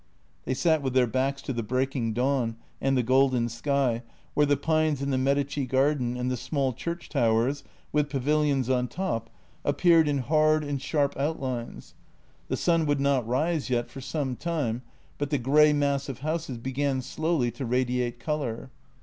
They sat with their backs to the breaking dawn and the golden sky, where the pines in the Medici garden and the small church towers, with pavilions on top, appeared in hard and sharp JENNY 37 outlines. The sun would not rise yet for some time, but the grey mass of houses began slowly to radiate colour.